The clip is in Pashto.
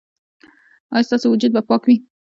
ایا ستاسو وجود به پاک وي؟